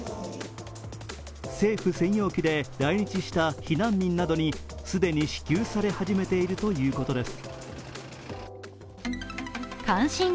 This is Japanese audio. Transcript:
政府専用機で来日した避難民などに既に支給され始めているということです。